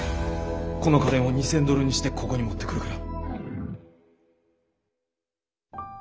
この金を２，０００ドルにしてここに持ってくるから。